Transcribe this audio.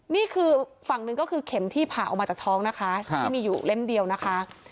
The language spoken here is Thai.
นี่คือฝั่งหนึ่งก็คือเข็มที่ผ่าออกมาจากท้องนะคะที่มีอยู่เล่มเดียวนะคะ